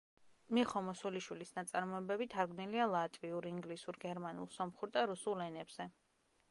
მიხო მოსულიშვილის ნაწარმოებები თარგმნილია ლატვიურ, ინგლისურ, გერმანულ, სომხურ და რუსულ ენებზე.